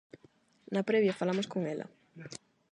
Na previa falamos con ela.